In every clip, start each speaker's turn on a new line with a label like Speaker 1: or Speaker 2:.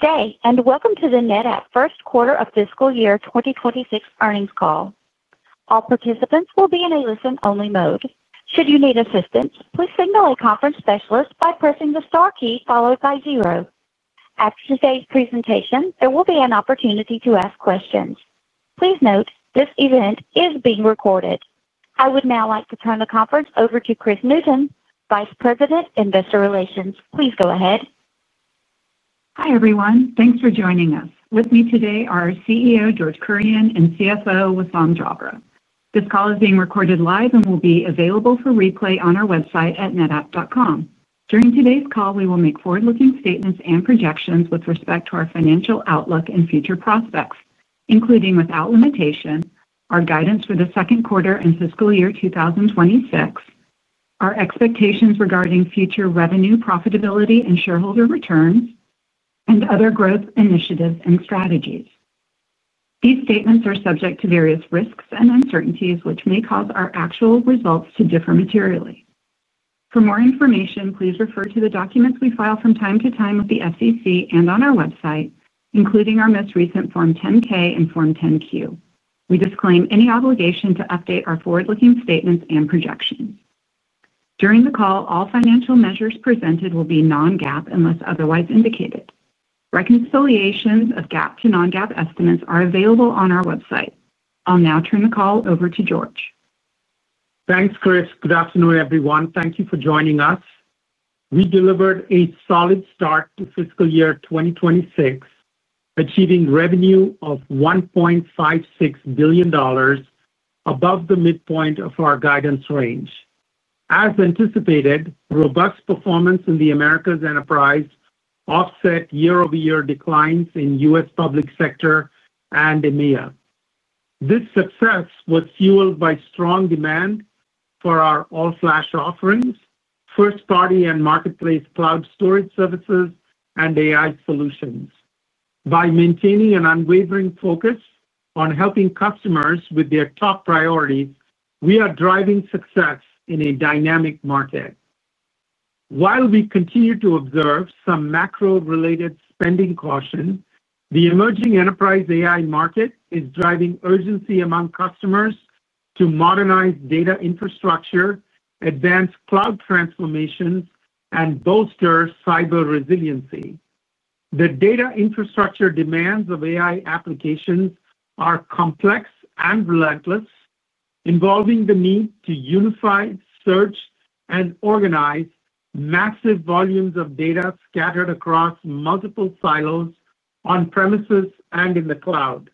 Speaker 1: Good day and welcome to the NetApp First Quarter of Fiscal Year 2026 Earnings Call. All participants will be in a listen only mode. Should you need assistance, please signal a conference specialist by pressing the star key followed by zero. After today's presentation, there will be an opportunity to ask questions. Please note this event is being recorded. I would now like to turn the conference over to Kris Newton, Vice President, Investor Relations. Please go ahead.
Speaker 2: Hi everyone. Thanks for joining us. With me today are our CEO George Kurian and CFO Wissam Jabre. This call is being recorded live and will be available for replay on our website at netapp.com. During today's call, we will make forward looking statements and projections with respect to our financial outlook and future prospects, including without limitation, our guidance for the second quarter and fiscal year 2026, our expectations regarding future revenue, profitability and shareholder returns, and other growth initiatives and strategies. These statements are subject to various risks and uncertainties which may cause our actual results to differ materially. For more information, please refer to the documents we file from time to time with the SEC and on our website, including our most recent Form 10-K and Form 10-Q. We disclaim any obligation to update our forward looking statements and projections during the call. All financial measures presented will be non-GAAP unless otherwise indicated. Reconciliations of GAAP to non-GAAP estimates are available on our website. I'll now turn the call over to George.
Speaker 3: Thanks, Kris. Good afternoon, everyone. Thank you for joining us. We delivered a solid start to fiscal year 2026, achieving revenue of $1.56 billion, above the midpoint of our guidance range. As anticipated, robust performance in the Americas enterprise offset year-over-year declines in U.S. public sector and EMEA. This success was fueled by strong demand for our all-flash offerings, first-party and marketplace cloud storage services, and AI solutions. By maintaining an unwavering focus on helping customers with their top priorities, we are driving success in a dynamic market. While we continue to observe some macro-related spending caution, the emerging enterprise AI market is driving urgency among customers to modernize data infrastructure, advance cloud transformation, and bolster cyber resiliency. The data infrastructure demands of AI applications are complex and relentless, involving the need to unify, search, and organize massive volumes of data scattered across multiple silos on premises and in the cloud.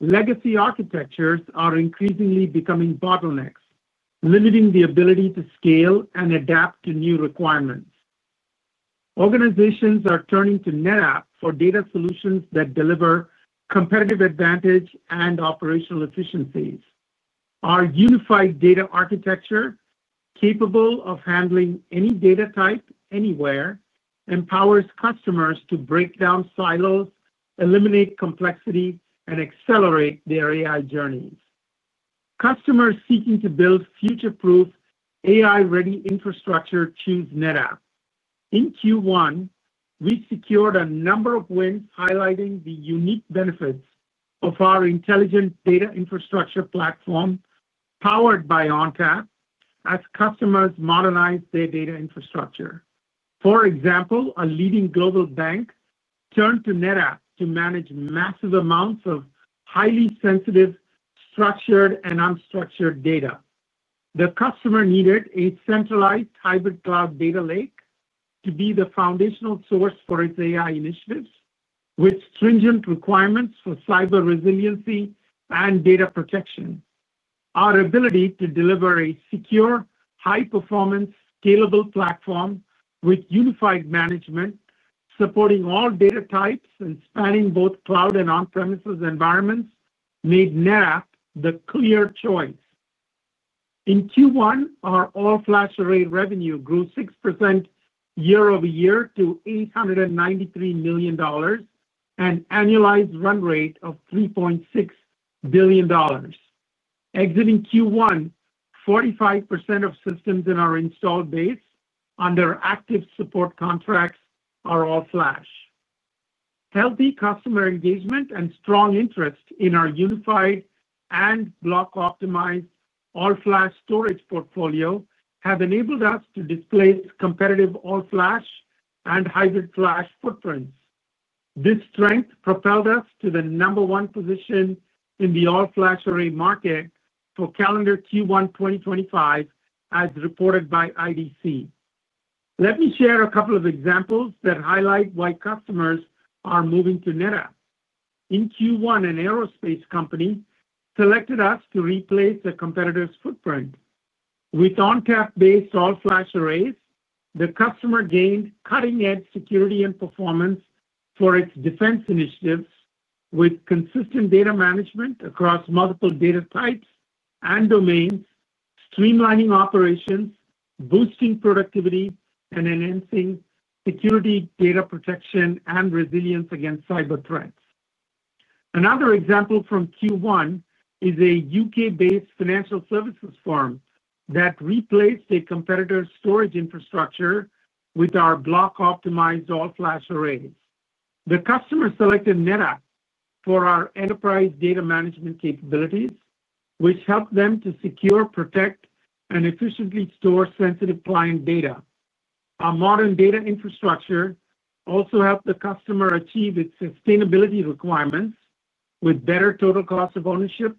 Speaker 3: Legacy architectures are increasingly becoming bottlenecks, limiting the ability to scale and adapt to new requirements. Organizations are turning to NetApp for data solutions that deliver competitive advantage and operational efficiencies. Our Unified Data Architecture, capable of handling any data type anywhere, empowers customers to break down silos, eliminate complexity, and accelerate their AI journey. Customers seeking to build future-proof, AI-ready infrastructure choose NetApp. In Q1, we secured a number of wins highlighting the unique benefits of our intelligent data infrastructure platform powered by ONTAP as customers modernize their data infrastructure. For example, a leading global bank turned to NetApp to manage massive amounts of highly sensitive, structured and unstructured data. The customer needed a centralized hybrid cloud data lake to be the foundational source for its AI initiatives, with stringent requirements for cyber resiliency and data protection. Our ability to deliver a secure, high-performance, scalable platform with unified management, supporting all data types and spanning both cloud and on-premises environments, made NetApp the clear choice. In Q1, our all-flash array revenue grew 6% year-over-year to $893 million and annualized run rate of $3.6 billion. Exiting Q1, 45% of systems in our installed base under active support contracts are all-flash. Healthy customer engagement and strong interest in our unified and block-optimized all-flash storage portfolio have enabled us to display competitive all-flash and hybrid flash footprint. This strength propelled us to the number one position in the all-flash array market for calendar Q1 2025 as reported by IDC. Let me share a couple of examples that highlight why customers are moving to NetApp. In Q1, an aerospace company selected us to replace the competitor's footprint with ONTAP-based all-flash arrays. The customer gained cutting-edge security and performance for its defense initiatives with consistent data management across multiple data types and domains, streamlining operations, boosting productivity, and enhancing security, data protection, and resilience against cyber threats. Another example from Q1 is a U.K.-based financial services firm that replaced a competitor storage infrastructure with our block-optimized all-flash array. The customer selected NetApp for our enterprise data management capabilities, which help them to secure, protect, and efficiently store sensitive client data. Our modern data infrastructure also helped the customer achieve its sustainability requirements with better total cost of ownership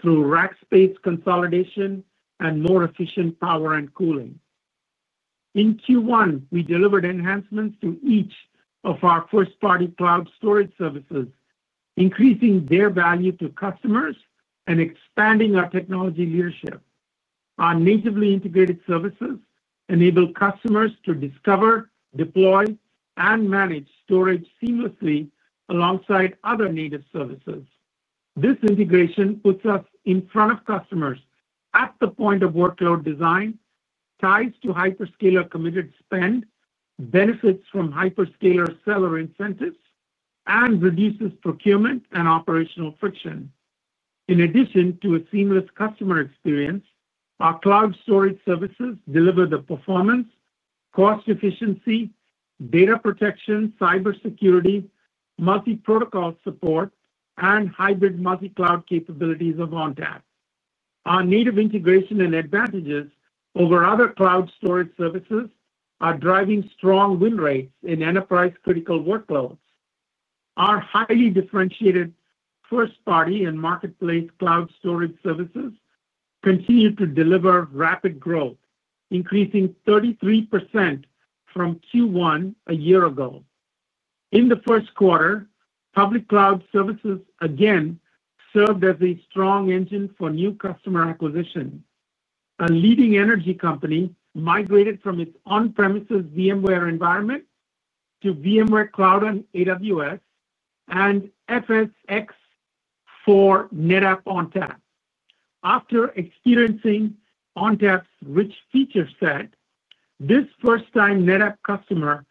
Speaker 3: through rack space consolidation and more efficient power and cooling. In Q1, we delivered enhancements to each of our first-party cloud storage services, increasing their value to customers and expanding our technology leadership. Our natively integrated services enable customers to discover, deploy, and manage storage seamlessly alongside other native services. This integration puts us in front of customers at the point of workload design, ties to hyperscaler committed spend, benefits from hyperscaler seller incentives, and reduces procurement and operational friction. In addition to a seamless customer experience, our cloud storage services deliver the performance, cost efficiency, data protection, cybersecurity, multi-protocol support, and hybrid multi-cloud capabilities of ONTAP. Our native integration and advantages over other cloud storage services are driving strong win rates in enterprise-critical workloads. Our highly differentiated first-party and marketplace cloud storage services continue to deliver rapid growth, increasing 33% from Q1 a year ago. In the first quarter, public cloud services again served as a strong engine for new customer acquisition. A leading energy company migrated from its on-premises VMware environment to VMware Cloud on AWS and FSx for NetApp ONTAP. After experiencing ONTAP rich feature set this first time, NetApp customer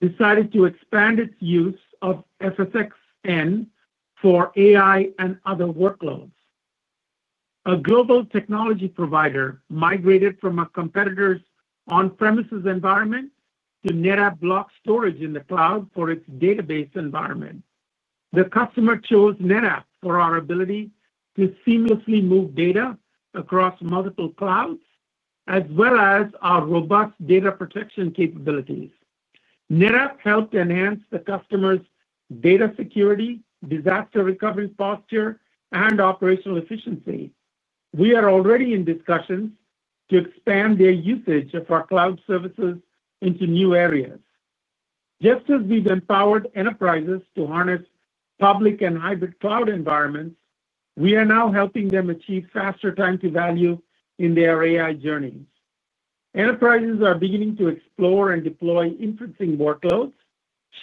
Speaker 3: decided to expand its use of FSxN for AI and other workloads. A global technology provider migrated from a competitor's on-premises environment to NetApp block storage in the cloud for its database environment. The customer chose NetApp for our ability to seamlessly move data across multiple clouds as well as our robust data protection capabilities. NetApp helped enhance the customer's data security, disaster recovery posture, and operational efficiency. We are already in discussions to expand their usage of our cloud services into new areas. Just as we've empowered enterprises to harness public and hybrid cloud environments, we are now helping them achieve faster time to value in their AI journey. Enterprises are beginning to explore and deploy inferencing workloads,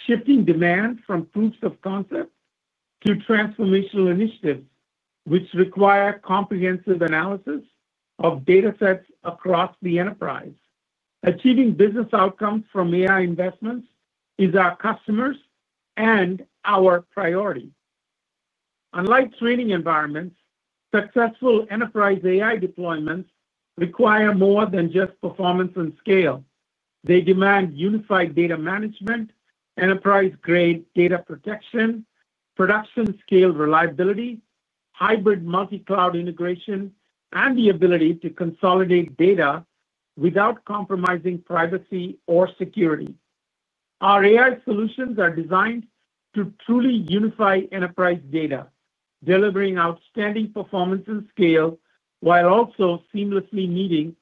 Speaker 3: shifting demand from proofs of concept to transformational initiatives which require comprehensive analysis of data sets across the enterprise. Achieving business outcomes from AI investments is our customers and our priority. Unlike training environments, successful enterprise AI deployments require more than just performance and scale. They demand unified data management, enterprise-grade data protection, production-scale reliability, hybrid multi-cloud integration, and the ability to consolidate data without compromising privacy or security. Our AI solutions are designed to truly unify enterprise data, delivering outstanding performance and scale while also seamlessly meeting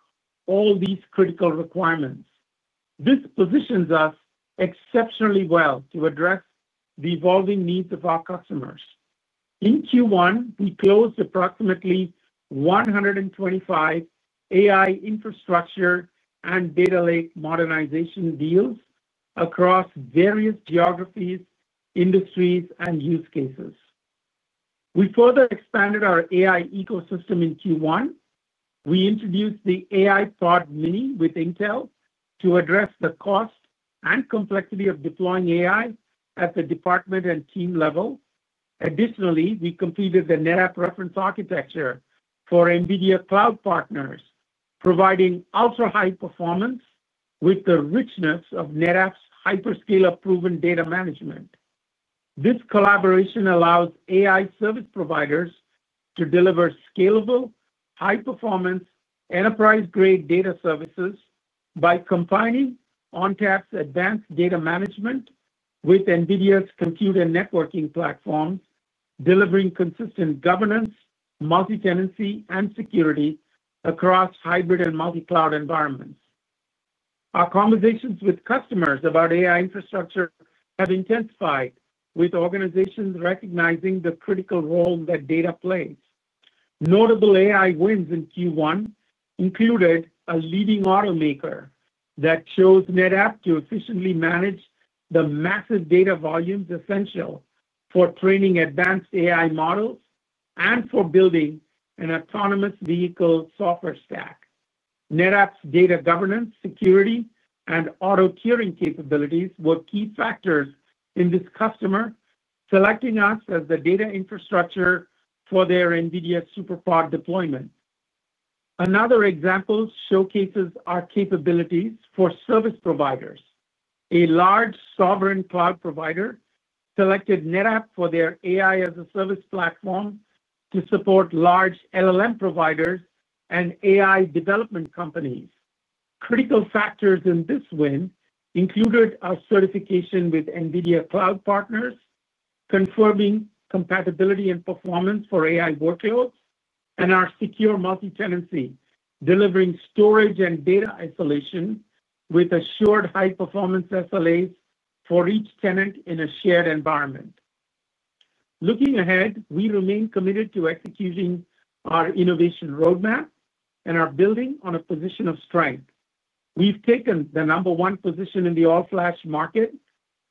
Speaker 3: all these critical requirements. This positions us exceptionally well to address the evolving needs of our customers. In Q1, we closed approximately 125 AI infrastructure and data lake modernization deals across various geographies, industries, and use cases. We further expanded our AI ecosystem in Q1. We introduced the NetApp AIPod Mini with Intel to address the cost and complexity of deploying AI at the department and team level. Additionally, we completed the NetApp reference architecture for NVIDIA Cloud Partners, providing ultra-high performance with the richness of NetApp's hyperscaler-proven data management. This collaboration allows AI service providers to deliver scalable, high-performance, enterprise-grade data services by combining ONTAP's advanced data management with NVIDIA's computer networking platform, delivering consistent governance, multi-tenancy, and security across hybrid and multi-cloud environments. Our conversations with customers about AI infrastructure have intensified with organizations recognizing the critical role that data plays. Notable AI wins in Q1 included a leading automaker that chose NetApp to efficiently manage the massive data volumes essential for training advanced AI models and for building an autonomous vehicle software stack. NetApp's data governance, security, and auto-tiering capabilities were key factors in this customer selecting us as the data infrastructure for their NVIDIA supercomputer deployment. Another example showcases our capabilities for service providers. A large sovereign cloud provider selected NetApp for their AI as a service platform to support large LLM providers and AI development companies. Critical factors in this win included our certification with NVIDIA Cloud Partners, conforming compatibility and performance for AI workloads, and our secure multi-tenancy delivering storage and data isolation with assured high-performance SLAs for each tenant in a shared environment. Looking ahead, we remain committed to executing our innovation roadmap and are building on a position of strength. We've taken the number one position in the all-flash market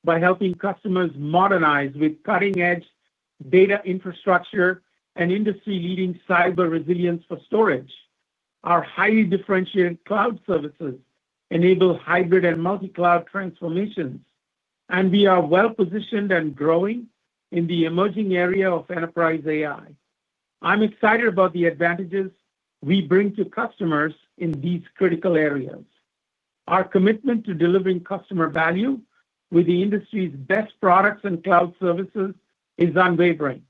Speaker 3: by helping customers modernize with cutting-edge data infrastructure and industry-leading cyber resilience for storage. Our highly differentiated cloud services enable hybrid and multi-cloud transformation, and we are well positioned and growing in the emerging area of enterprise AI. I'm excited about the advantages we bring to customers in these critical areas. Our commitment to delivering customer value with the industry's best products and cloud services is unwavering.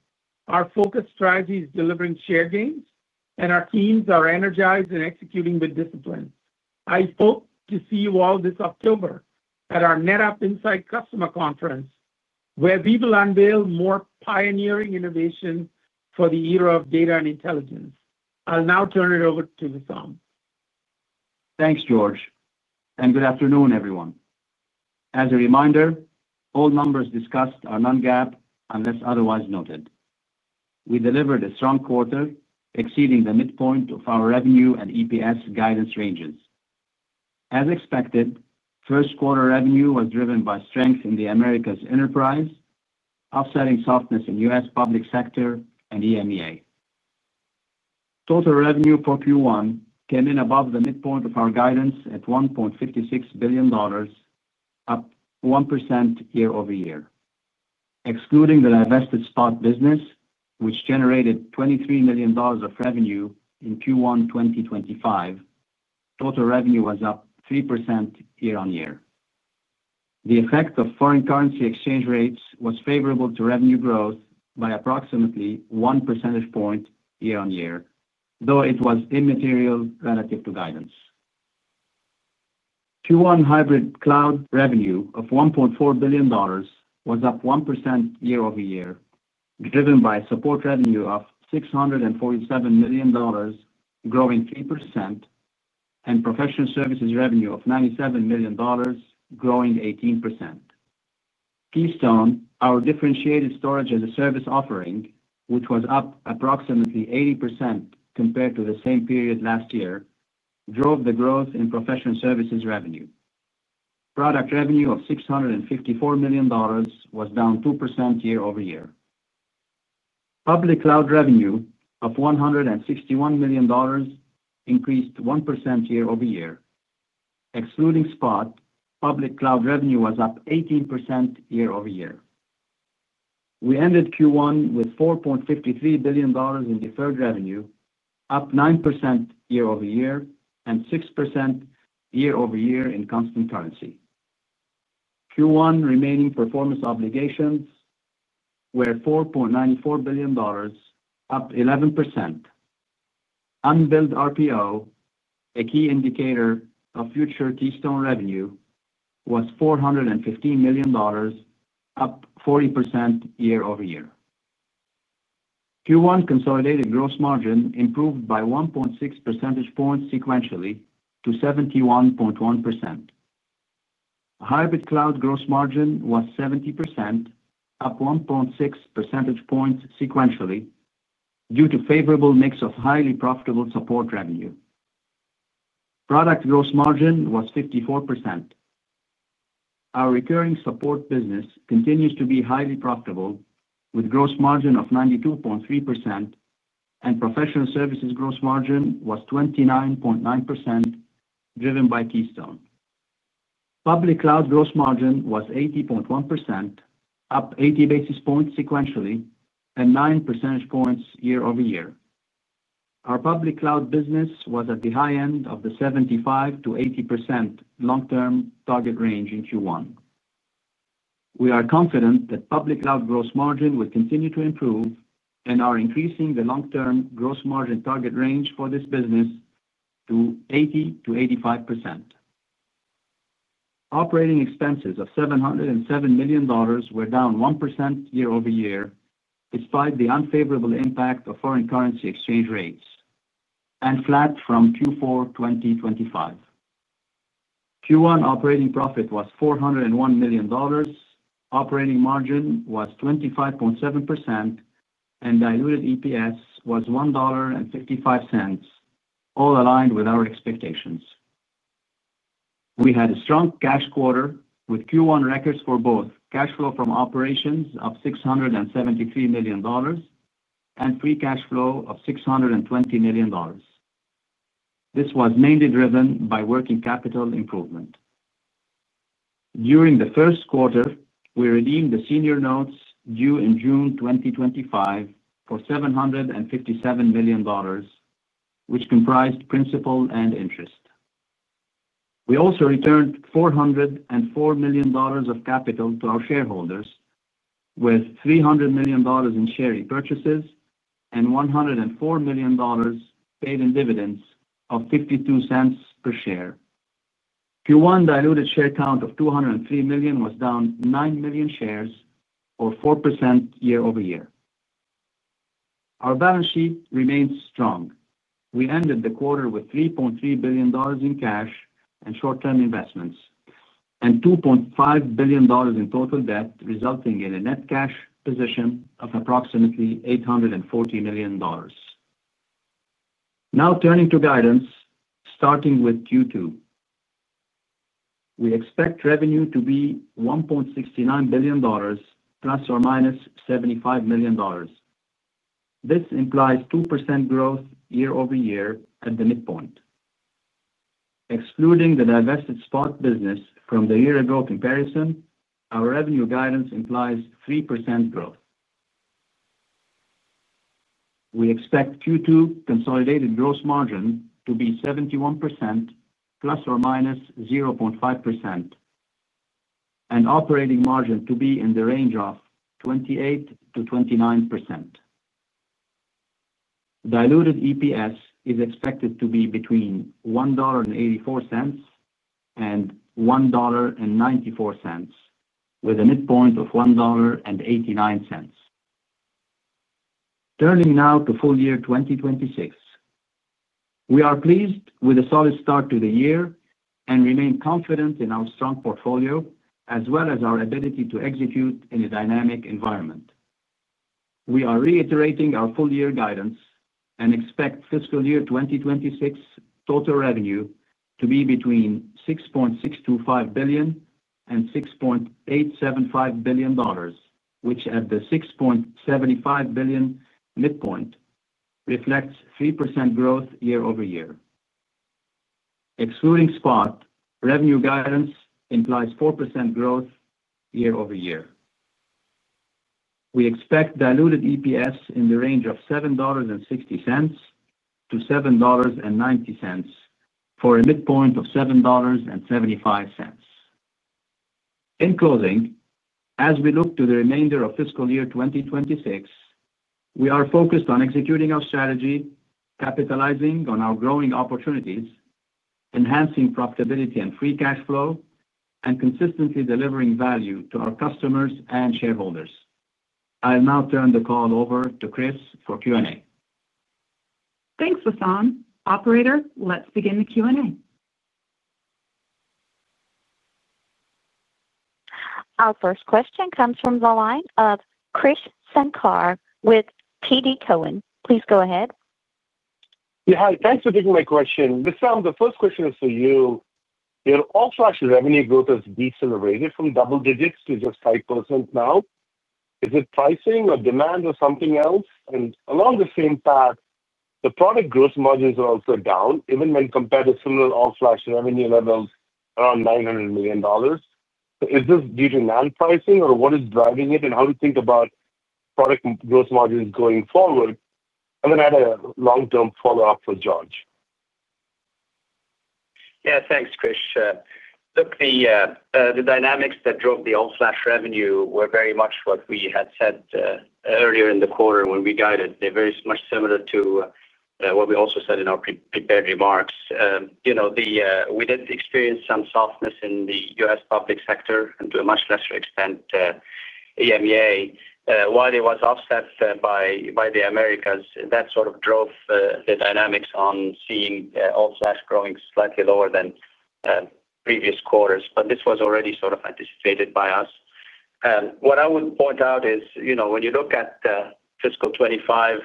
Speaker 3: Our focused strategy is delivering share gains, and our teams are energized and executing with discipline. I hope to see you all this October at our NetApp Insight Customer Conference where we will unveil more pioneering innovation for the era of data and intelligence. I'll now turn it over to Wissam.
Speaker 4: Thanks George, and good afternoon everyone. As a reminder, all numbers discussed are non-GAAP unless otherwise noted. We delivered a strong quarter, exceeding the midpoint of our revenue and EPS guidance ranges. As expected, first quarter revenue was driven by strength in the Americas enterprise, offsetting softness in U.S. public sector and EMEA. Total revenue for Q1 came in above the midpoint of our guidance at $1.56 billion, up 1% year-over-year excluding the divested Spot business, which generated $23 million of revenue in Q1 2025. Total revenue was up 3% year-over-year. The effect of foreign currency exchange rates was favorable to revenue growth by approximately 1 percentage point year-over-year, though it was immaterial relative to guidance. Q1 hybrid cloud revenue of $1.4 billion was up 1% year-over-year, driven by support revenue of $647 million growing 3% and professional services revenue of $97 million growing 18%. Keystone, our differentiated storage-as-a-service offering, which was up approximately 80% compared to the same period last year, drove the growth in professional services revenue. Product revenue of $654 million was down 2% year-over-year. Public cloud revenue, up $161 million, increased 1% year-over-year. Excluding Spot, public cloud revenue was up 18% year-over-year. We ended Q1 with $4.53 billion in deferred revenue, up 9% year-over-year and 6% year-over-year in constant currency. Q1 remaining performance obligations were $4.94 billion, up 11%. Unbilled RPO, a key indicator of future Keystone revenue, was $415 million, up 40% year-over-year. Q1 consolidated gross margin improved by 1.6 percentage points sequentially to 71.1%. Hybrid cloud gross margin was 70%, up 1.6 percentage points sequentially due to favorable mix of highly profitable support revenue. Product gross margin was 54%. Our recurring support business continues to be highly profitable with gross margin of 92.3%, and professional services gross margin was 29.9% driven by Keystone. Public cloud gross margin was 80.1%, up 80 basis points sequentially and 9 percentage points year-over-year. Our public cloud business was at the high end of the 75%-80% long-term target range in Q1. We are confident that public cloud gross margin will continue to improve and are increasing the long-term gross margin target range for this business to 80%-85%. Operating expenses of $707 million were down 1% year-over-year despite the unfavorable impact of foreign currency exchange rates and flat from Q4 2025. Q1 operating profit was $401 million, operating margin was 25.7%, and diluted EPS was $1.55, all aligned with our expectations. We had a strong cash quarter with Q1 records for both cash flow from operations of $673 million and free cash flow of $620 million. This was mainly driven by working capital improvement. During the first quarter, we redeemed the senior notes due in June 2025 for $757 million, which comprised principal and interest. We also returned $404 million of capital to our shareholders with $300 million in share repurchases and $104 million paid in dividends of $0.52 per share. Q1 diluted share count of 203 million was down 9 million shares or 4% year-over-year. Our balance sheet remains strong. We ended the quarter with $3.3 billion in cash and short-term investments and $2.5 billion in total debt, resulting in a net cash position of approximately $840 million. Now turning to guidance, starting with Q2. We expect revenue to be $1.69 billion ±$75 million. This implies 2% growth year-over-year. At the midpoint, excluding the divested Spot business from the year-ago comparison, our revenue guidance implies 3% growth. We expect Q2 consolidated gross margin to be 71% ±0.5% and operating margin to be in the range of 28%-29%. Diluted EPS is expected to be between $1.84 and $1.94 with a midpoint of $1.89. Turning now to full year 2026. We are pleased with a solid start to the year and remain confident in our strong portfolio as well as our ability to execute in a dynamic environment. We are reiterating our full year guidance and expect fiscal year 2026 total revenue to be between $6.625 billion and $6.75 billion, which at the $6.75 billion midpoint reflects 3% growth year-over-year. Excluding Spot revenue guidance implies 4% growth year-over-year. We expect diluted EPS in the range of $7.60-$7.90 for a midpoint of $7.75. In closing, as we look to the remainder of fiscal year 2026, we are focused on executing our strategy, capitalizing on our growing opportunities, enhancing profitability and free cash flow, and consistently delivering value to our customers and shareholders. I'll now turn the call over to Kris for Q&A.
Speaker 2: Thanks, Hassan. Operator, let's begin the Q&A.
Speaker 1: Our first question comes from the line of Krish Sankar with TD Cowen. Please go ahead.
Speaker 5: Hi, thanks for taking my question. Wissam, the first question is for you. Your offshore revenue growth is decelerated from double digits to just 5% now. Is it pricing or demand or something else? Along the same path, the product gross margins are also down even when compared to similar all-flash revenue levels around $900 million. Is this due to NAND pricing? Or what is driving it? How do we think about product gross margins going forward? Then I have a long-term follow-up for George.
Speaker 4: Yeah, thanks, Krish. Look, the dynamics that drove the all-flash revenue were very much what we had said earlier in the quarter when we guided. They're very much similar to what we also said in our prepared remarks. We did experience some softness in the U.S. public sector and to a much lesser extent EMEA. While it was offset by the Americas, that sort of drove the dynamics on seeing all-flash growing slightly lower than previous quarters, but this was already sort of anticipated by us. What I would point out is, when you look at fiscal 2025,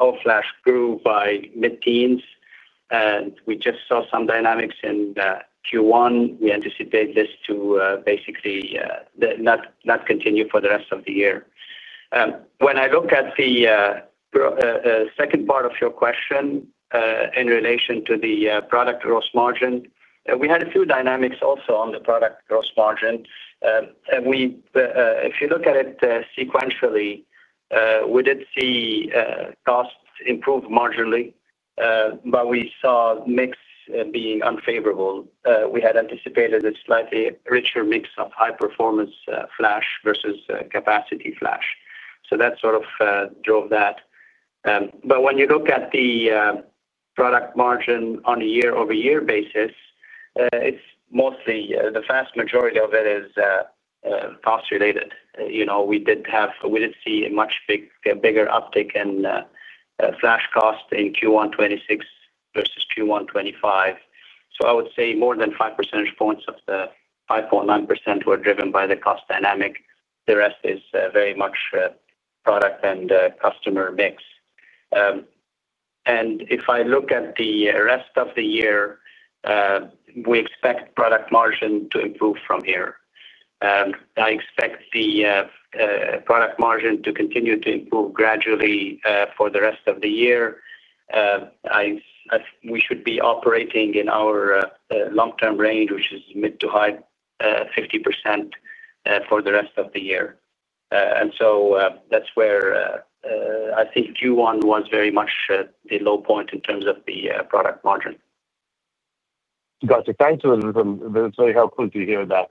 Speaker 4: all-flash grew by mid-teens, and we just saw some dynamics in Q1. We anticipate this to basically not continue for the rest of the year. When I look at the second part of your question in relation to the product gross margin, we had a few dynamics also on the product gross margin. If you look at it sequentially, we did see cost improve marginally, but we saw mix being unfavorable. We had anticipated a slightly richer mix of high-performance flash versus capacity flash, so that sort of drove that. When you look at the product margin on a year-over-year basis, the vast majority of it is cost related. We did see a much bigger uptick in flash cost in Q1 2026 versus Q1 2025. I would say more than 5 percentage points of the 5.9% were driven by the cost dynamic. The rest is very much product and customer mix. If I look at the rest of the year, we expect product margin to improve from here. I expect the product margin to continue to improve gradually for the rest of the year. We should be operating in our long-term range, which is mid to high 50% for the rest of the year. That's where I think Q1 was very much the low point in terms of the product margin.
Speaker 5: Got you. That's very helpful to hear that.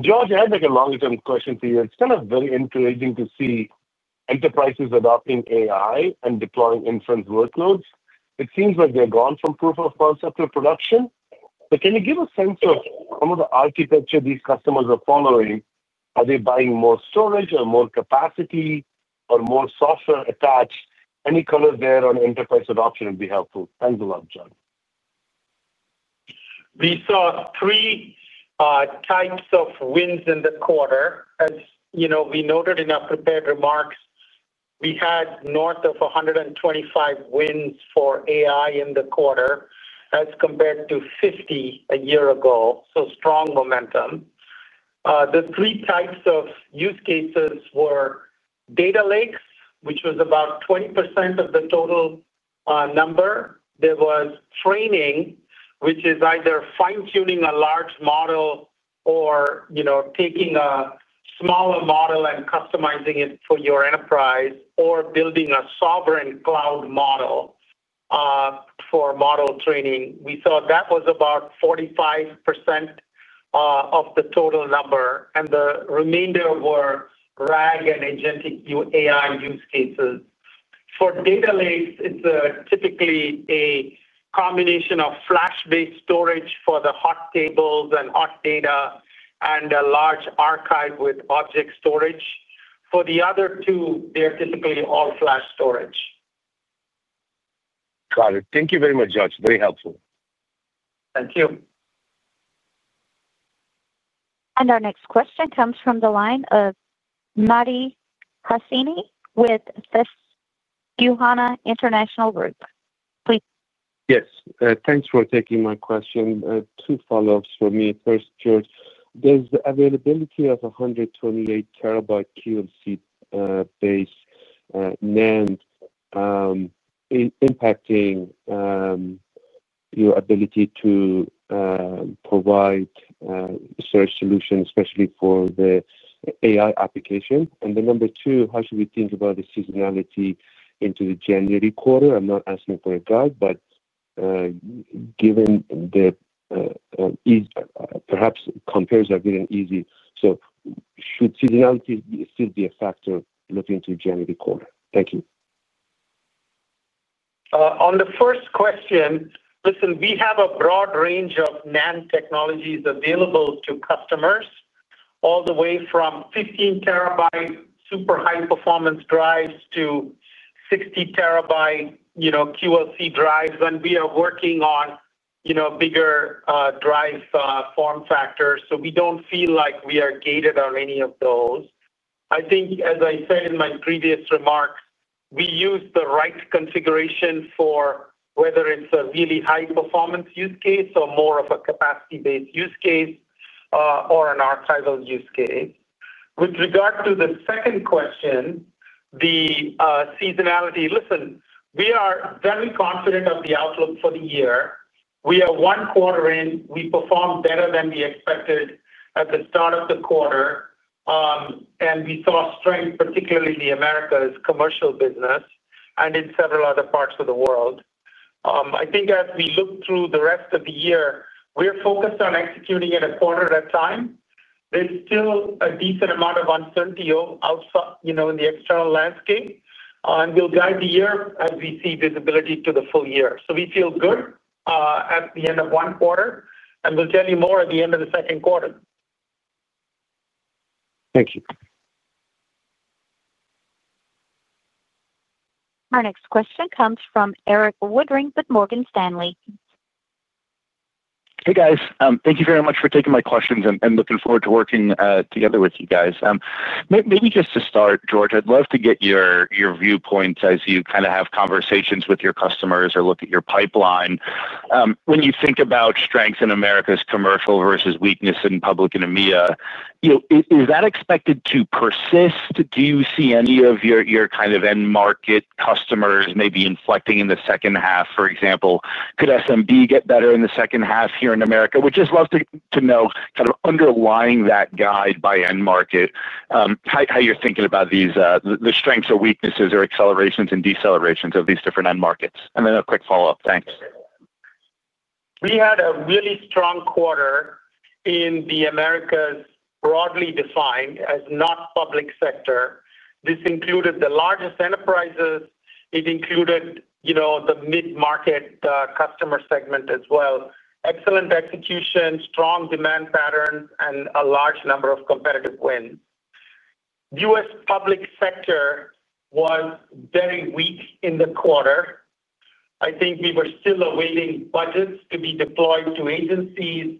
Speaker 5: George, I had a long-term question for you. It's kind of very encouraging to see enterprises adopting AI and deploying inference workloads. It seems like they've gone from proof of concept to production. Can you give a sense of some of the architecture these customers are following? Are they buying more storage or more capacity or more software attached? Any color there on enterprise adoption would be helpful. Thanks a lot, George.
Speaker 3: We saw three types of wins in the quarter, and you know we noted in our prepared remarks we had north of 125 wins for AI in the quarter as compared to 50 a year ago, so strong momentum. The three types of use cases were data lakes, which was about 20% of the total number. There was training, which is either fine tuning a large model or taking a smaller model and customizing it for your enterprise or building a sovereign cloud model for model training. We saw that was about 45% of the total number, and the remainder were RAG and Agentic AI use cases. For data lakes, it's typically a combination of flash-based storage for the hot tables and hot data, and a large archive with object storage. For the other two, they're typically all-flash storage.
Speaker 5: Got it. Thank you very much, George. Very helpful.
Speaker 3: Thank you.
Speaker 1: Our next question comes from the line of Mehdi Hosseini with Susquehanna International Group. Please.
Speaker 6: Yes, thanks for taking my question. Two follow ups for me. First, George, there's the availability of 128 TB QLC-based NAND impacting your ability to provide search solutions, especially for the AI application. Number two, how should we think about the seasonality into the January quarter? I'm not asking for a guide, but given the easy, perhaps compares are given easy. Should seasonality still be a factor? Looking to January quarter. Thank you.
Speaker 3: On the first question, listen, we have a broad range of NAND technologies available to customers all the way from 15 TB super high performance drives to 60 TB QLC drives, and we are working on bigger drive form factors, so we don't feel like we are gated on any of those. I think as I said in my previous remark, we use the right configuration for whether it's a really high performance use case or more of a capacity-based use case or an archival use case. With regard to the second question, the seasonality, listen, we are very confident of the outlook for the year. We are one quarter in, we performed better than we expected at the start of the quarter, and we saw strength particularly in the Americas commercial business and in several other parts of the world. I think as we look through the rest of the year, we're focused on executing it as a quarter at a time. There's still a decent amount of uncertainty in the external landscape, and we'll guide the year as we see visibility to the full year. We feel good at the end of one quarter, and we'll tell you more at the end of the second quarter.
Speaker 6: Thank you.
Speaker 1: Our next question comes from Erik Woodring with Morgan Stanley.
Speaker 7: Hey guys, thank you very much for taking my questions and looking forward to working together with you guys. Maybe just to start, George, I'd love to get your viewpoints as you kind of have conversations with your customers or look at your pipeline. When you think about strengths in Americas commercial versus weakness in public and EMEA, is that expected to persist? Do you see any of your kind of end market customers maybe inflecting in the second half? For example, could SMB get better in the second half here in Americas, which is love to know kind of underlying that guide by end market, how you're thinking about these, the strengths or weaknesses or accelerations and decelerations of these different end markets. A quick follow up. Thanks.
Speaker 3: We had a really strong quarter in the Americas, broadly defined as not public sector. This included the largest enterprises. It included the mid-market customer segment as well. Excellent execution, strong demand pattern, and a large number of competitive wins. U.S. public sector was very weak in the quarter. I think we were still awaiting budgets to be deployed to agencies.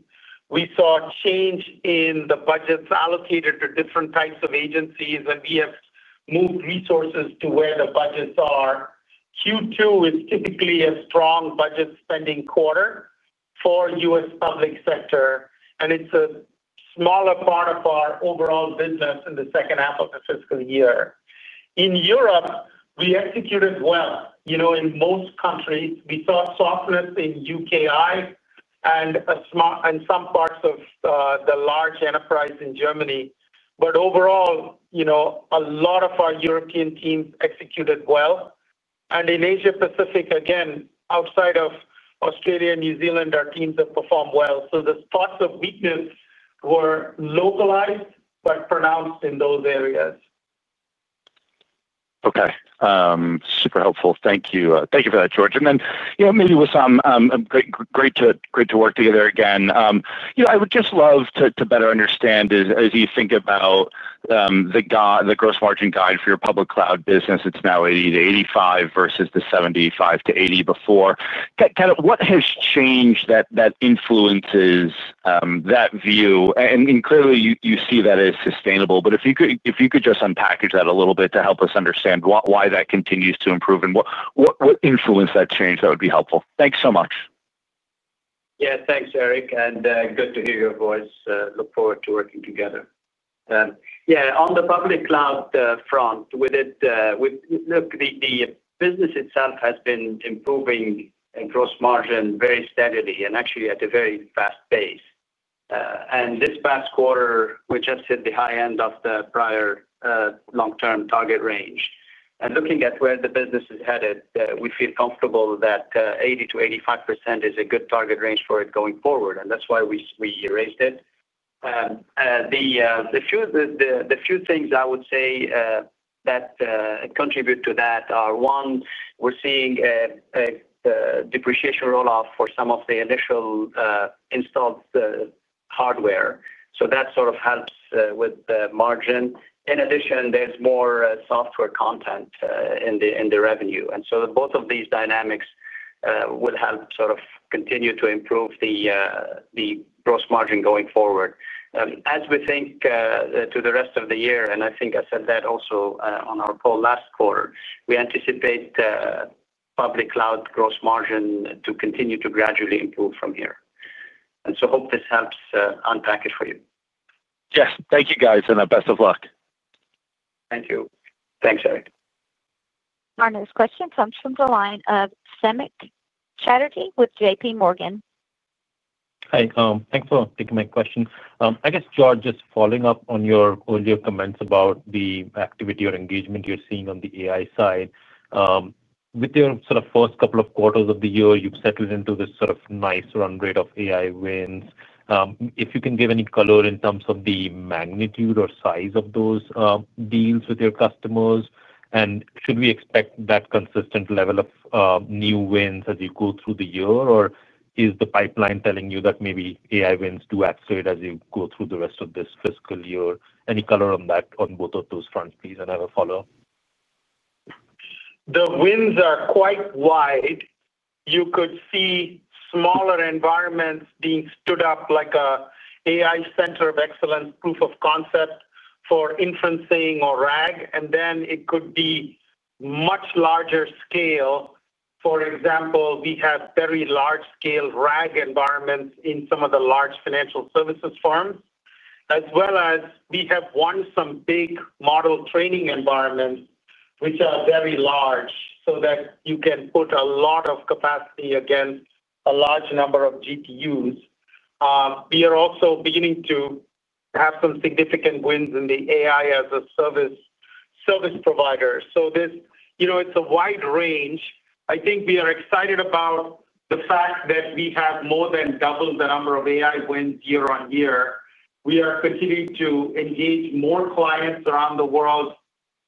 Speaker 3: We saw change in the budgets allocated to different types of agencies, and we have moved resources to where the budgets are. Q2 is typically a strong budget spending quarter for U.S. public sector, and it's a smaller part of our overall business. In the second half of the fiscal year in Europe, we executed well. In most countries, we saw softness in UKI and some parts of the large enterprise in Germany, but overall, a lot of our European teams executed well. In Asia Pacific, again outside of Australia, New Zealand, our teams have performed well. The spots of weakness were localized, but pronounced in those areas.
Speaker 7: Okay, super helpful. Thank you. Thank you for that, George. Maybe with some. Great to work together again. I would just love to better understand as you think about the gross margin guide for your public cloud business. It's now 80%-85% versus the 75%-80% before. What has changed that influences that view? Clearly you see that as sustainable. If you could just unpackage that a little bit to help us understand why that continues to improve and what influenced that change, that would be helpful. Thanks so much.
Speaker 4: Yeah, thanks Erik. Good to hear your voice. Look forward to working together. Yeah, on the public cloud front. The business itself has been improving across margin very steadily and actually at a very fast pace. This past quarter we just hit the high end of the prior long term target range. Looking at where the business is headed, we feel comfortable that 80%-85% is a good target range for it going forward and that's why we raised it. The few things I would say that contribute to that are, one, we're seeing depreciation roll off for some of the initial installed, the hardware. That helps with the margin. In addition, there's more software content in the revenue. Both of these dynamics will help continue to improve the gross margin going forward as we think to the rest of the year. I think I said that also on our call last quarter. We anticipate public cloud gross margin to continue to gradually improve from here, and so I hope this helps unpack it for you.
Speaker 7: Yes, thank you guys and best of luck.
Speaker 4: Thank you.
Speaker 3: Thanks Erik.
Speaker 1: Our next question comes from the line of Samik Chatterjee with JP Morgan.
Speaker 8: Hi, thanks for taking my question. I guess, George, just following up on your earlier comments about the activity or engagement you're seeing on the AI side with your sort of first couple of quarters of the year, you've settled into this sort of nice run rate of AI wins. If you can give any color in terms of the magnitude or size of those deals with your customers? Should we expect that consistent level of new wins as you go through the year? Or is the pipeline telling you that maybe AI wins do at trade as you go through the rest of this fiscal year? Any color on both of those fronts, please, and I have a follow up.
Speaker 3: The wins are quite wide. You could see smaller environments being stood up like an AI center of excellence proof of concept for inferencing or RAG, and then it could be much larger scale. For example, we have very large-scale RAG environments in some of the large financial services firms, as well as we have won some big model training environments which are very large so that you can put a lot of capacity against a large number of GPUs. We are also beginning to have some significant wins in the AI as a Service provider space. It's a wide range. I think we are excited about the fact that we have more than doubled the number of AI wins year-over-year. We are continuing to engage more clients around the world.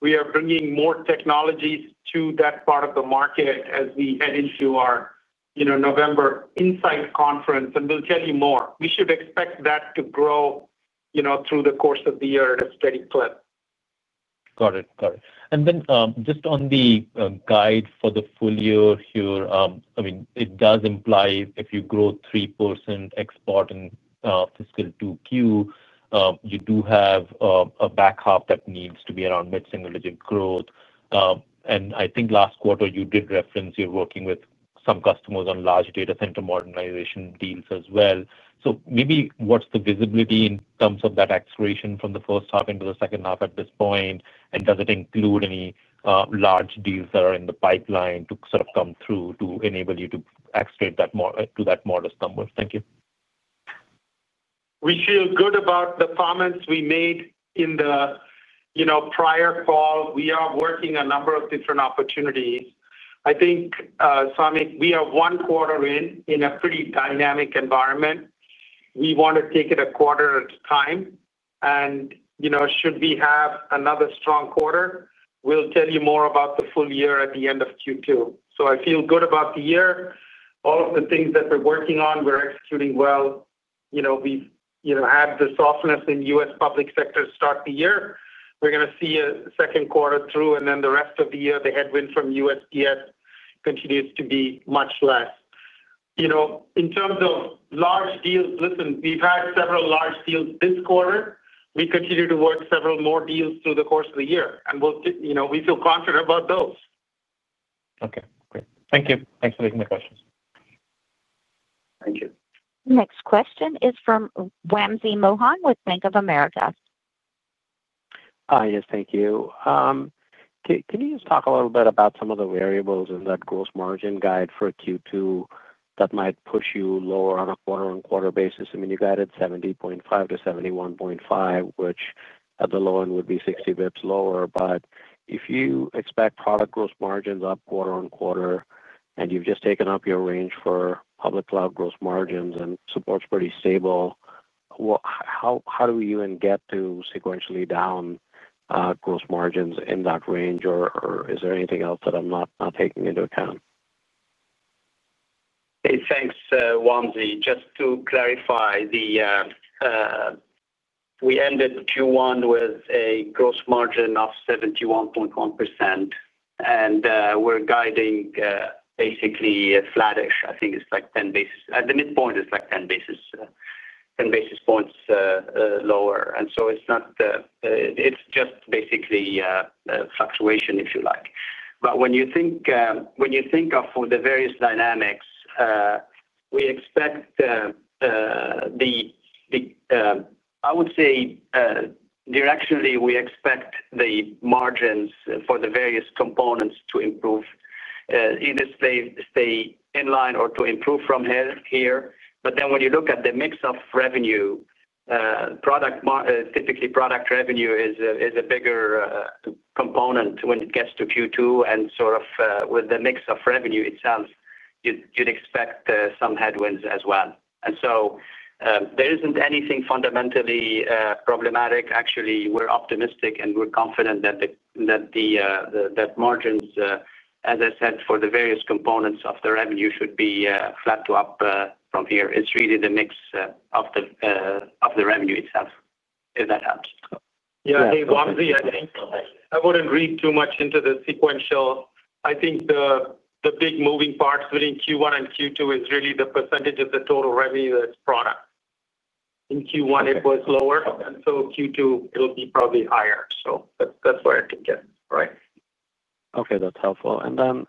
Speaker 3: We are bringing more technologies to that part of the market as we head into our November NetApp Insight Conference, and we'll tell you more. You should expect that to grow through the course of the year at a very clear.
Speaker 8: Got it. Just on the guide for the full year here, it does imply if you grow 3% excluding fiscal Q2, you do have a back half that needs to be around mid single digit growth. I think last quarter you did reference you're working with some customers on large data center modernization deals as well. Maybe what's the visibility in terms of that acceleration from the first half into the second half at this point, and does it include any large deals that are in the pipeline to sort of come through to enable you to accelerate to that modest number. Thank you.
Speaker 3: We feel good about the comments we made in the prior call. We are working a number of different opportunities. I think, Samik, we are one quarter in, in a pretty dynamic environment. We want to take it a quarter at a time, and should we have another strong quarter, we'll tell you more about the full year at the end of Q2. I feel good about the year. All of the things that we're working on, we're executing well. We've had the softness in U.S. public sector start the year. We're going to see a second quarter through and then the rest of the year. The headwind from USPS continues to be much less. In terms of large deals, listen, we've had several large deals this quarter. We continue to work several more deals through the course of the year, and we feel confident about those.
Speaker 8: Okay, great. Thank you. Thanks for taking the questions.
Speaker 3: Thank you.
Speaker 1: Next question is from Wamsi Mohan with Bank of America.
Speaker 9: Yes, thank you. Can you talk a little bit about some of the variables in that gross margin guide for Q2 that might push you lower on a quarter-on-quarter basis? I mean, you guided 70.5%-71.5%, which at the low end would be 60 bps lower. If you expect product gross margins up quarter-on-quarter and you've just taken up your range for public cloud gross margins and support's pretty stable, how do we even get to sequentially down gross margins in that range? Is there anything else that I'm not taking into account?
Speaker 4: Thanks, Wamsi. Just to clarify, we ended Q1 with a gross margin of 71.1% and we're guiding basically flattish. I think it's like 10 basis at the midpoint, it's like 10 basis, 10 basis points lower. It's just basically fluctuation, if you like. When you think of the various dynamics, we expect the margins for the various components to improve. Either they stay in line or improve from here. When you look at the mix of revenue, typically product revenue is a bigger component when it gets to Q2 and with the mix of revenue itself, you'd expect some headwinds as well. There isn't anything fundamentally problematic. Actually, we're optimistic and we're confident that margins, as I said, for the various components of the revenue, should be flat to up from here. It's really the mix of the revenue itself, if that helps.
Speaker 3: Wamsi, I wouldn't read too much into the sequential. I think the big moving parts within Q1 and Q2 is really the percentage of the total revenue that's product. In Q1 it was lower, and Q2 it'll be probably higher. That's where I can get, right?
Speaker 9: Okay, that's helpful. On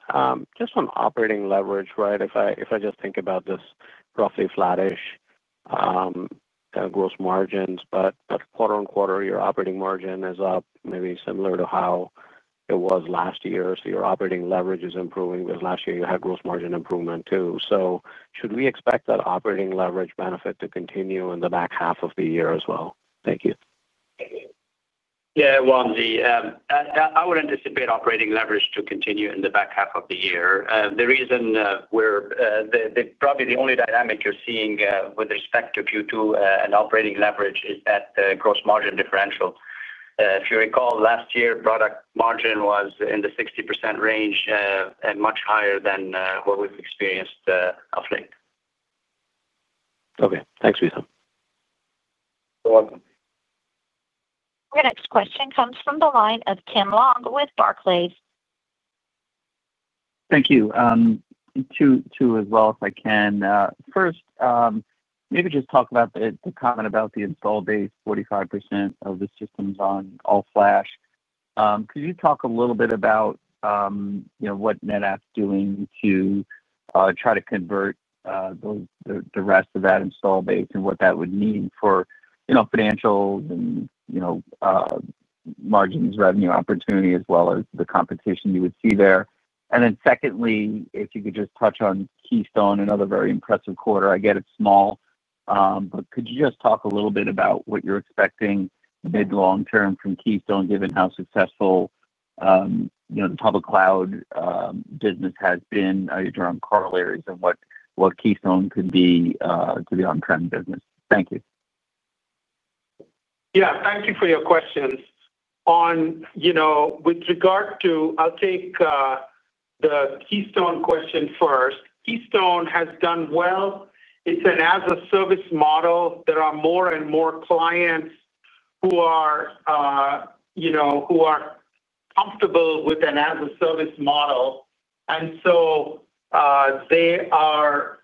Speaker 9: operating leverage, right, if I just think about this, roughly flattish gross margins, but quarter-on-quarter your operating margin is up, maybe similar to how it was last year. Your operating leverage is improving because last year you had gross margin improvement too. Should we expect that operating leverage benefit to continue in the back half of the year as well? Thank you.
Speaker 4: Yeah, Wamsi, I would anticipate operating leverage to continue in the back half of the year. The reason, probably the only dynamic you're seeing with respect to Q2 and operating leverage, is that gross margin differential. If you recall, last year product margin was in the 60% range and much higher than what we've experienced of late.
Speaker 9: Okay, thanks Wissam.
Speaker 4: You're welcome.
Speaker 1: Our next question comes from the line of Tim Long with Barclays.
Speaker 10: Thank you. Two as well, If I can. First, maybe just talk about the comment about the install base, 45% of the systems on all-flash. Could you talk a little bit about what NetApp's doing to try to convert the rest of that install base and what that would mean for financial and margins, revenue opportunity as well as the competition you would see there? Secondly, if you could just touch on Keystone, another very impressive quarter. I get it, small, but could you just talk a little bit about what you're expecting mid long term from Keystone given how successful the public cloud business has been. Are you drawing corollaries and what Keystone could be to the on-prem business? Thank you.
Speaker 3: Yes. Thank you for your questions with regards to, I'll take the Keystone question first. Keystone has done well. It's an as-a-service model. There are more and more clients who are comfortable with an as-a-service model. They are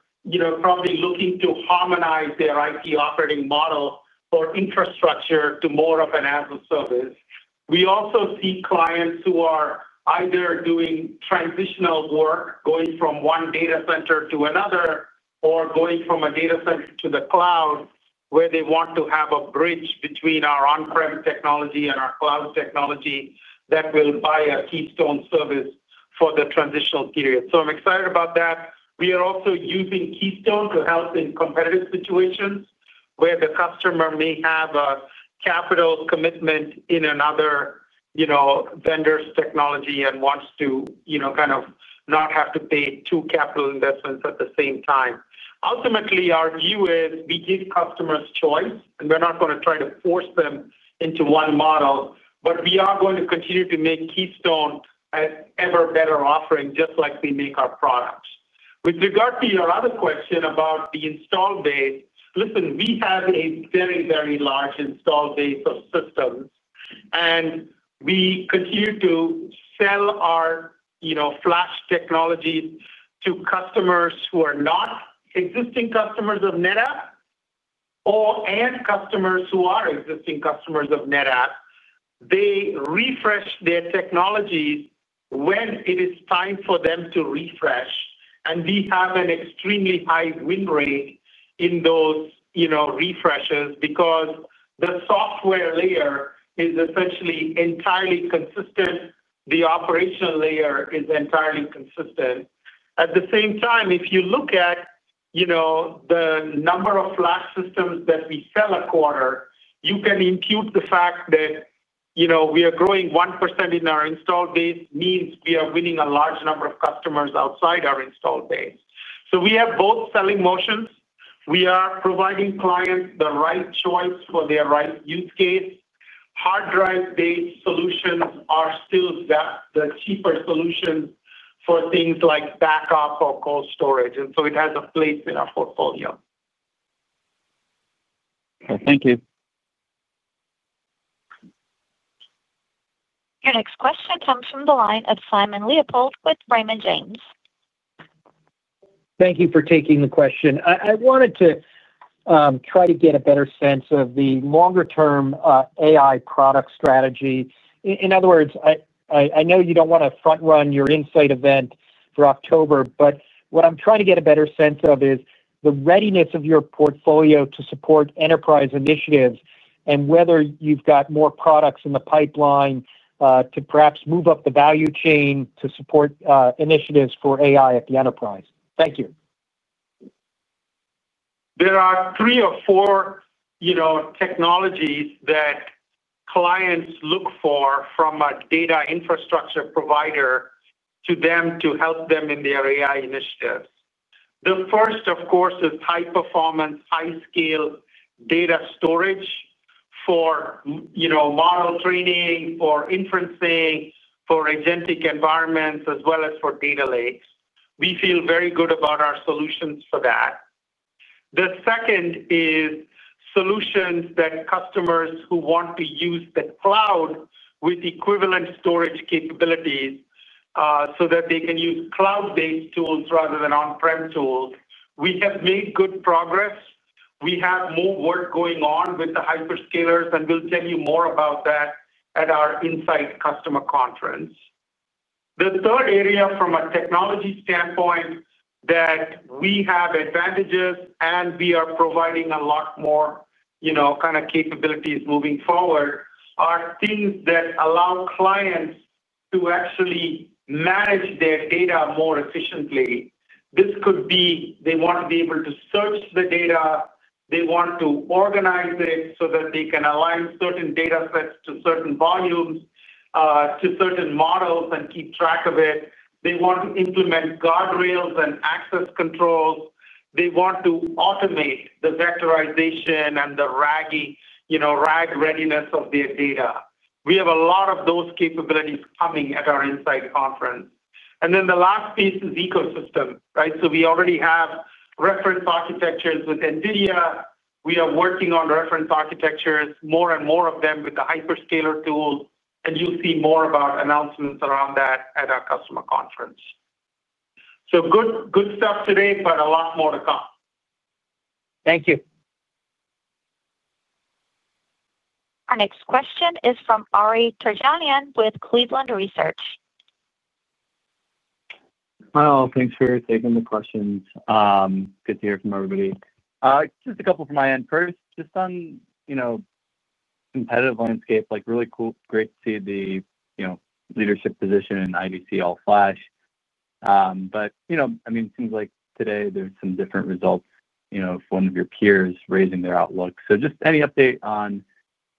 Speaker 3: probably looking to harmonize their IT operating model for infrastructure to more of an as-a-service. We also see clients who are either doing transitional work, going from one data center to another or going from a data center to the cloud where they want to have a bridge between our on-prem technology and our cloud technology that will buy a Keystone service for the transitional period. I'm excited about that. We are also using Keystone to help in competitive situations where the customer may have a capital commitment in another vendor's technology and wants to not have to pay two capital investments at the same time. Ultimately, our view is we give customers choice and we're not going to try to force them into one model, but we are going to continue to make Keystone an ever better offering just like we make our products. With regard to your other question about the install base, we have a very, very large install base of systems and we continue to sell our flash technology to customers who are not existing customers of NetApp and customers who are existing customers of NetApp. They refresh their technologies when it is time for them to refresh and we have an extremely high win rate in those refreshes because the software layer is essentially entirely consistent. The operational layer is entirely consistent. At the same time, if you look at the number of flash systems that we sell a quarter, you can include the fact that we are growing 1% in our install base means we are winning a large number of customers outside our install base. We have both selling motions. We are providing clients the right choice for their right use case. Hard drive-based solutions are still the cheaper solution for things like backup or cold storage and so it has a place in our portfolio.
Speaker 10: Thank you.
Speaker 1: Your next question comes from the line of Simon Leopold with Raymond James.
Speaker 11: Thank you for taking the question. I wanted to try to get a better sense of the longer term AI product strategy. In other words, I know you don't want to front run your Insight event for October, but what I'm trying to get a better sense of is the readiness of your portfolio to support enterprise initiatives and whether you've got more products in the pipeline to perhaps move up the value chain to support initiatives for AI at the enterprise. Thank you.
Speaker 3: There are three or four technologies that clients look for from a data infrastructure provider to help them in their AI initiatives. The first, of course, is high performance, high scale data storage for model training, for inferencing, for agentic environments, as well as for data lake. We feel very good about our solutions for that. The second is solutions that customers who want to use the cloud with equivalent storage capabilities so that they can use cloud-based tools rather than on-prem tools. We have made good progress. We have more work going on with the hyperscalers, and we'll tell you more about that at our Insight customer conference. The third area, from a technology standpoint that we have advantages in and we are providing a lot more capabilities moving forward, are things that allow clients to actually manage their data more efficiently. This could be they want to be able to service the data. They want to organize it so that they can align certain data sets to certain volumes, to certain models, and keep track of it. They want to implement guardrails and access control. They want to automate the vectorization and the RAG readiness of their data. We have a lot of those capabilities coming at our Insight conference. The last piece is ecosystem, right. We already have reference architectures with NVIDIA. We are working on reference architectures, more and more of them, with the hyperscaler, too. You'll see more of our announcements around that at our customer conference. Good stuff today, but a lot more to come.
Speaker 11: Thank you.
Speaker 1: Our next question is from Ari Terjanian with Cleveland Research.
Speaker 12: Hi all, thanks for taking the questions. Good to hear from everybody. Just a couple from my end. First, just on competitive landscape, really cool, great to see the leadership position in IDC all-flash. It seems like today there's some different results. One of your peers is raising their outlook. Any update on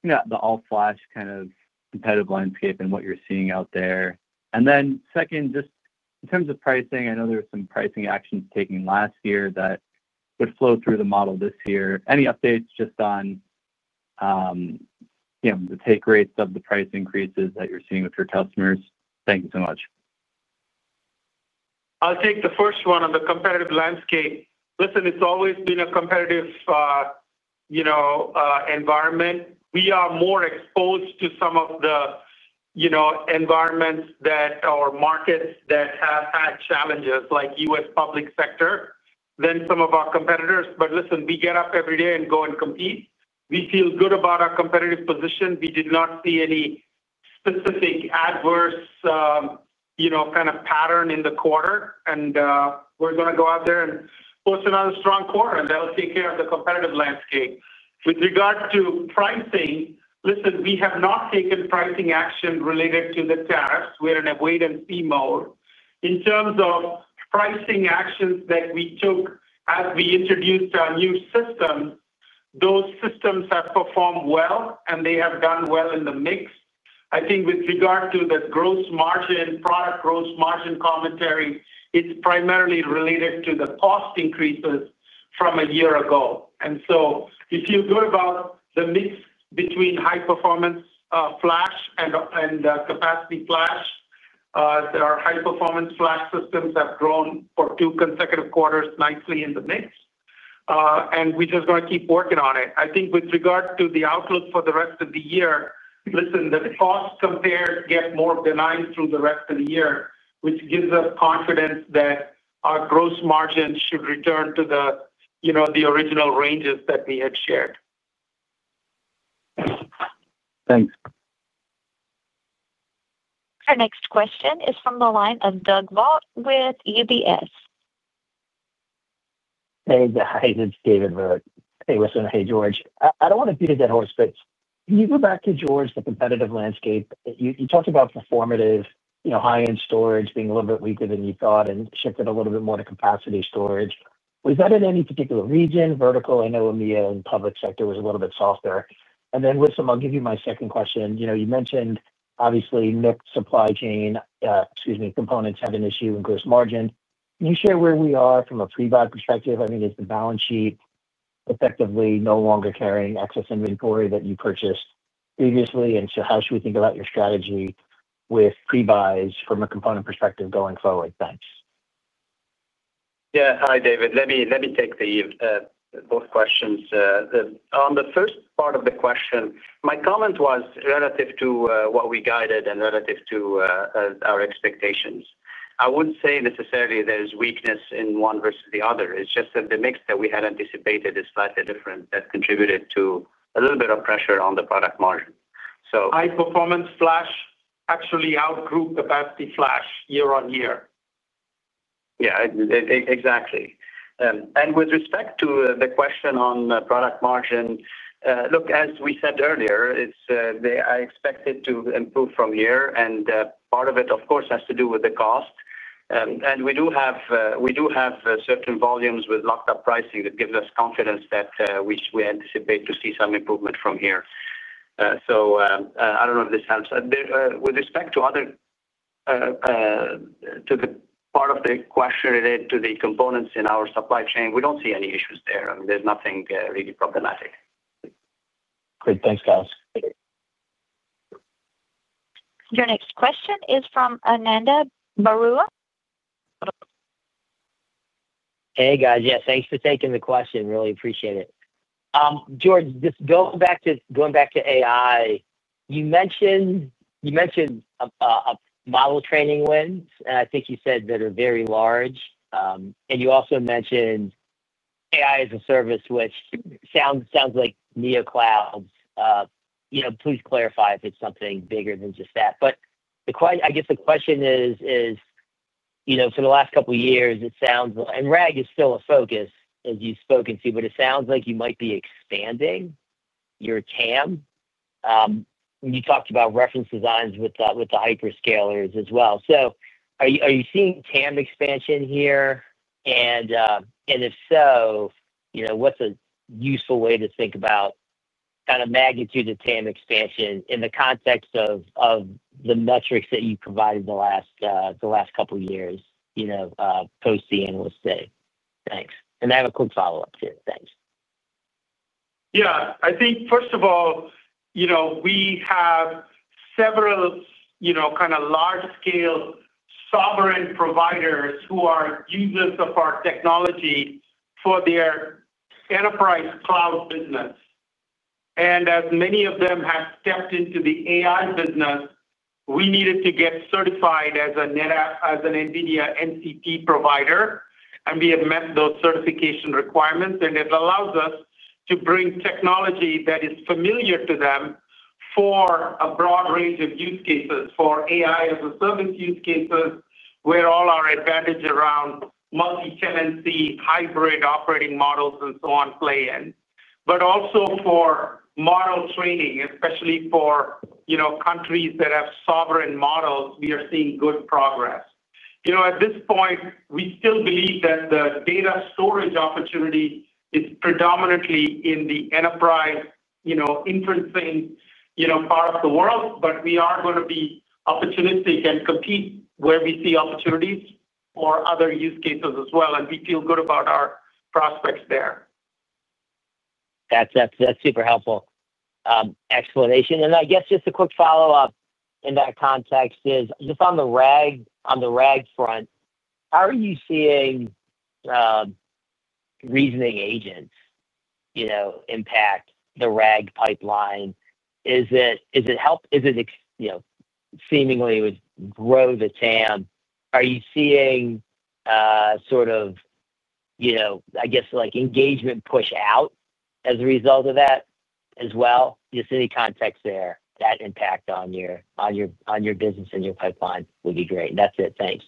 Speaker 12: the all-flash kind of competitive landscape and what you're seeing out there? Second, in terms of pricing, I know there were some pricing actions taken last year that would flow through the model this year. Any updates on the take rates of the price increases that you're seeing with your customers? Thank you so much.
Speaker 3: I'll take the first one on the competitive landscape. It's always been a competitive environment. We are more exposed to some of the environments that are markets that have had challenges like U.S. public sector than some of our competitors. We get up every day and go and compete. We feel good about our competitive position. We did not see any specific adverse kind of pattern in the quarter. We're going to go out there and post another strong quarter and that will take care of the competitive landscape. With regards to pricing, we have not taken pricing action related to the tariff. We're in a wait and see mode in terms of pricing actions that we took as we introduced our new system. Those systems have performed well and they have done well in the mix. I think with regard to that gross margin, product gross margin commentary, it's primarily related to the cost increases from a year ago. If you do about the mix between high performance flash and capacity flash, our high performance flash systems have grown for two consecutive quarters nicely in the mix. We just got to keep working on it. I think with regard to the outlook for the rest of the year, listen, the cost compare gets more benign through the rest of the year which gives us confidence that our gross margin should return to the original ranges that we had shared.
Speaker 12: Thanks.
Speaker 1: Our next question is from the line of Doug Vaught with UBS.
Speaker 13: Hey guys, it's David Vogtt. Hey, listen. Hey George, I don't want to beat a dead horse, but can you go back to George, the competitive landscape? You talked about, you know, high-end storage being a little bit weaker than you thought and shifted a little bit more to capacity storage. Was that in any particular region, vertical? I know EMEA and public sector was a little bit softer. And then with Wissam, I'll give you my second question. You know you mentioned, obviously, mix supply chain, excuse me, components have an issue, increased margin. Can you share where we are from? A pre buy perspective? I mean, it's the balance sheet effectively no longer carrying excess inventory that you purchased previously? How should we think about your strategy with pre buys from a component perspective going forward? Thanks.
Speaker 4: Yes, Hi David. Let me take both questions. On the first part of the question, my comment was relative to what we guided and relative to our expectations. I wouldn't say necessarily there's weakness in one versus the other. It's just that the mix that we had anticipated is slightly different. That contributed to a little bit of pressure on the product margin.
Speaker 3: High performance flash actually outgrew the battery flash year-over-year.
Speaker 4: Exactly. With respect to the question on product margin, look, as we said earlier, I expect it to improve from here, and part of it, of course, has to do with the cost. We do have certain volumes with locked up pricing that gives us confidence that we anticipate to see some improvement from here. I don't know if this helps with respect to the part of the question related to the components in our supply chain. We don't see any issues there, and there's nothing really problematic.
Speaker 13: Great, thanks guys.
Speaker 1: Your next question is from Ananda Baruah.
Speaker 14: Hey guys. Yes, thanks for taking the question. Really appreciate it. George, just going back to AI. You mentioned model training wins and I think you said that are very large and you also mentioned AI as a service which sounds like Neocloud. Please clarify if it's something bigger than just that. I guess the question is, for the last couple years it sounds and RAG is still a focus as you've spoken to but it sounds like you might be expecting expanding your TAM. You talked about reference designs with that, with the hyperscalers as well. Are you seeing TAM expansion here? If so, what's a useful way to think about kind of magnitude of TAM expansion in the context of the metrics that you provided the last couple years? Post the analyst day. Thanks. I have a quick follow up here. Thanks.
Speaker 3: Yeah, I think first of all, we have several kind of large-scale sovereign cloud providers who are users of our technology for their enterprise cloud business. As many of them have stepped into the AI business, we needed to get certified as an NVIDIA NCP provider, and we have met those certification requirements. It allows us to bring technology that is familiar to them for a broad range of use cases for AI as-a-Service use cases where all our advantage around multi-tenancy, hybrid operating models, and so on play in. Also, for model training, especially for countries that have sovereign models, we are seeing good progress. At this point we still believe in the data storage opportunity, it's predominantly in the enterprise, you know, inferencing part of the world. We are going to be opportunistic and compete where we see opportunities for other use cases as well, and we feel good about our prospects there.
Speaker 14: That's super helpful explanation, and I guess just a quick follow up in that context is just on the RAG front, how are you seeing reasoning agents impact the RAG pipeline? Is it help? Is it, you know, seemingly would grow the TAM. Are you seeing sort of, I guess, like engagement push out as a result of that as well? Just any context there, that impact on your business and your pipeline would be great and that's it. Thanks.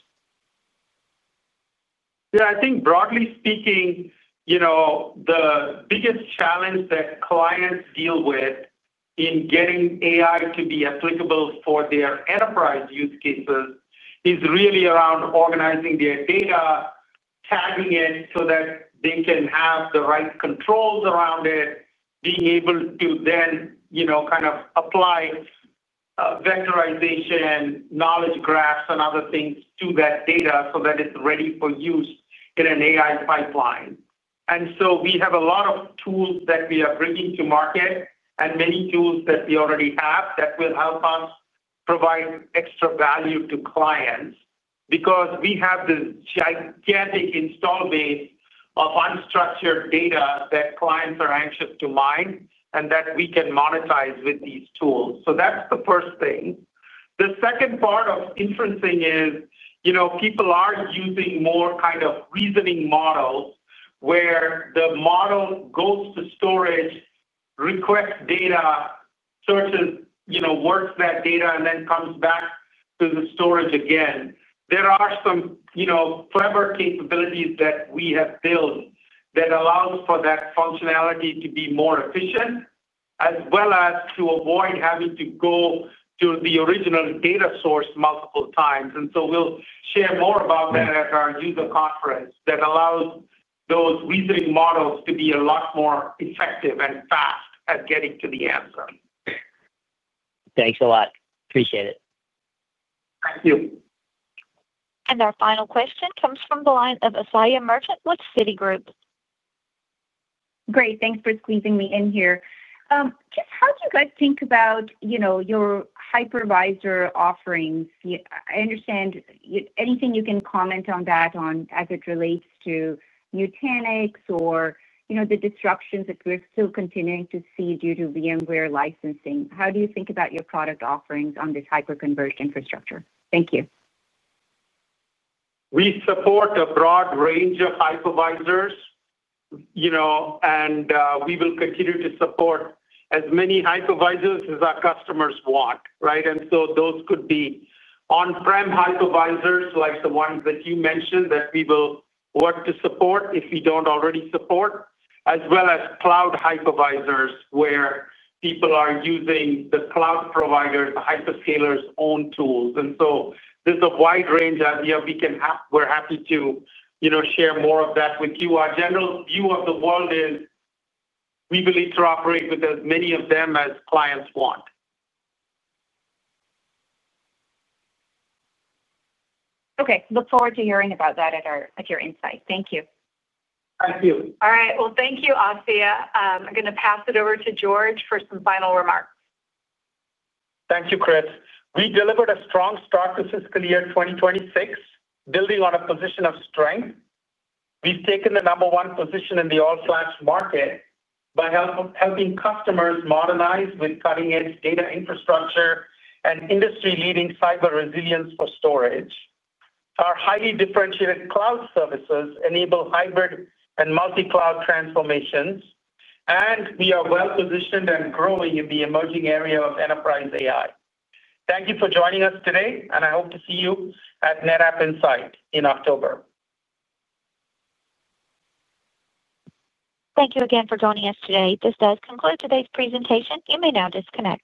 Speaker 3: Yeah. I think broadly speaking, the biggest challenge that clients deal with in getting AI to be applicable for their enterprise use cases is really around organizing their data, tabbing in so that they can have the right controls around it, being able to then kind of apply vectorization, knowledge graphs, and other things to that data so that it's ready for use in an AI pipeline. We have a lot of tools that we are bringing to market and many tools that we already have that will help us provide extra value to clients because we have this gigantic install base of unstructured data that clients are anxious to mine and that we can monetize with these tools. That's the first thing. The second part of inferencing is, people are using more kind of reasoning models where the model goes to storage, requests data, searches, works that data, and then comes back to the storage again. There are some clever capabilities that we have built that allow for that functionality to be more efficient as well as to avoid having to go to the original data source multiple times. We will share more about that at our user conference that allows those visiting models to be a lot more effective and fast at getting to the answer.
Speaker 14: Thanks a lot. Appreciate it.
Speaker 3: Thank you.
Speaker 1: Our final question comes from the line of Asiya Merchant with Citigroup.
Speaker 15: Great, thanks for squeezing me in here. How do you guys think about, you know, your hypervisor offerings? I understand anything you can comment on that as it relates to Nutanix or, you know, the disruptions that we're still continuing to see due to VMware licensing. How do you think about your product offerings on this hyperconverged infrastructure? Thank you.
Speaker 3: We support a broad range of hypervisors, you know, and we will continue to support as many hypervisors as our customers want, right? Those could be on-prem hypervisors like the ones that you mentioned that we will want to support if we don't already support, as well as cloud hypervisors where people are using the cloud provider, the hyperscalers' own tools, and there's a wide range. We're happy to share more of that with you. Our general view of the world is we believe to operate with as many of them as clients want.
Speaker 15: Okay, look forward to hearing about that at our NetApp Insight. Thank you.
Speaker 3: Thank you.
Speaker 2: All right, thank you, Anthea. I'm going to pass it over to George for some final remarks.
Speaker 3: Thank you, Chris. We delivered a strong start to fiscal year 2026. Building on a position of strength, we've taken the number one position in the all-flash market by helping customers modernize with cutting-edge data infrastructure and industry-leading cyber resilience for storage. Our highly differentiated cloud services enable hybrid and multi-cloud transformations, and we are well positioned and growing in the emerging area of enterprise AI. Thank you for joining us today, and I hope to see you at NetApp Insight in October.
Speaker 1: Thank you again for joining us today. This does conclude today's presentation. You may now disconnect.